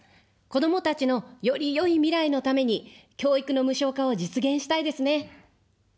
子どもたちのよりよい未来のために、教育の無償化を実現したいですね。